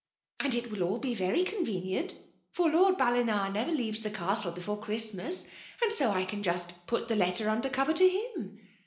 And it will all be very convenient; for Lord Balling never leaves the castle before Christ mas, and so I can just put the letter under cover to him.